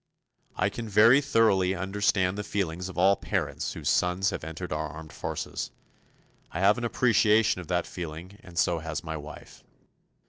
I can very thoroughly understand the feelings of all parents whose sons have entered our armed forces. I have an appreciation of that feeling and so has my wife.